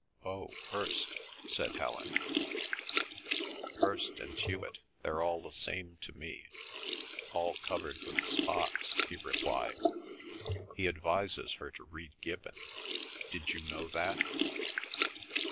"Oh, Hirst," said Helen. "Hirst and Hewet, they're all the same to me—all covered with spots," he replied. "He advises her to read Gibbon. Did you know that?"